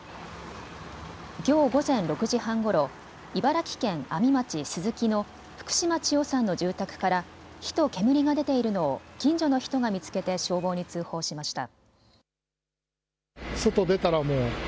きょう午前６時半ごろ、茨城県阿見町鈴木の福島千代さんの住宅から、火と煙が出ているのを近所の人が見つけて消防に通報しました。